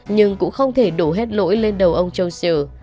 nhưng cũng không thể đổ hết lỗi lên đầu ông châu siêu